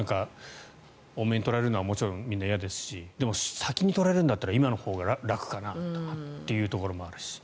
多めに取られるのはみんな嫌ですしでも、先に取られるんだったら今のほうが楽かなということもあるし。